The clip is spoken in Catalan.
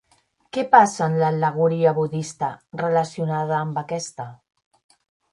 Què passa en l'al·legoria budista relacionada amb aquesta?